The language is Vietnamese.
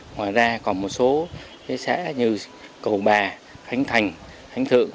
ngoài ra còn một số xã như cầu bà khánh thành khánh thượng